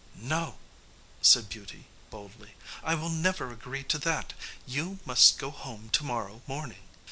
"No," said Beauty, boldly, "I will never agree to that; you must go home to morrow morning."